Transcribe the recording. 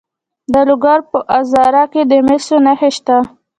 د لوګر په ازره کې د مسو نښې شته.